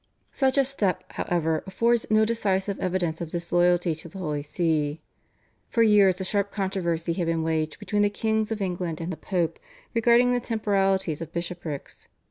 Such a step, however, affords no decisive evidence of disloyalty to the Holy See. For years a sharp controversy had been waged between the Kings of England and the Pope regarding the temporalities of bishoprics.